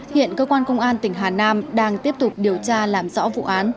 hiện cơ quan công an tỉnh hà nam đang tiếp tục điều tra làm rõ vụ án